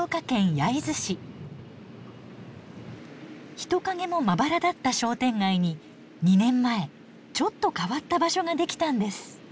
人影もまばらだった商店街に２年前ちょっと変わった場所ができたんです。